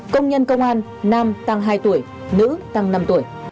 công nhân công an nam tăng hai tuổi nữ tăng năm tuổi